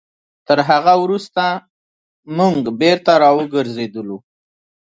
تر هغه وروسته موږ بېرته راوګرځېدلو.